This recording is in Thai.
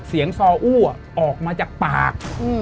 เสียงซออู้ออกมาจากปาก